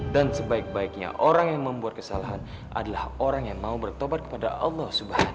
dan sebaik baiknya orang yang membuat kesalahan adalah orang yang mau bertobat kepada allah subhanahu wa ta'ala